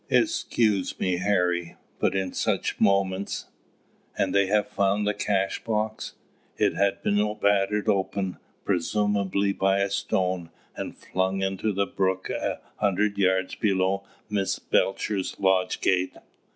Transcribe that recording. "Excuse me, Harry but in such moments! And they have found the cashbox. It had been battered open, presumably by a stone, and flung into the brook a hundred yards below Miss Belcher's lodge gate."